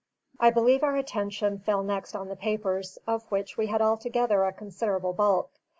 I believe our attention fell next on the papers, of which we had altogether a considerable bulk.